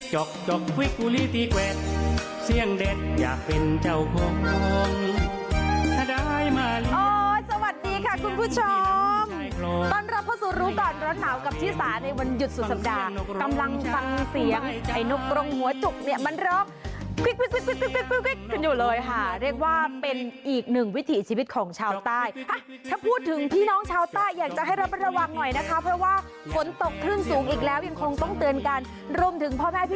จกจกฟิกฟูลี่ตีเกวดเสี่ยงเด็ดอยากเป็นเจ้าโครมถ้าได้มาเลยโอ้ยสวัสดีค่ะคุณผู้ชมตอนเราพอสู่รู้ก่อนร้อนหนาวกับที่สาในวันหยุดสุดสัปดาห์กำลังฟังเสียงไอ้นกลงหัวจุกเนี้ยมันร้องฟิกฟิกฟิกฟิกฟิกฟิ